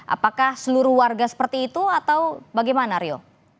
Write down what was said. apakah seluruh warga seperti itu atau bagaimana rio